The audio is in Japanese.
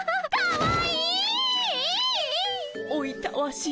おいたわしや。